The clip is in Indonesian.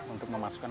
untuk memasuki kolam